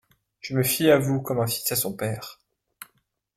Je me fie à vous comme un fils à son père...